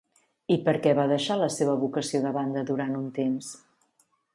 I per què va deixar la seva vocació de banda durant un temps?